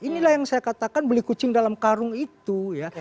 inilah yang saya katakan beli kucing dalam karung itu ya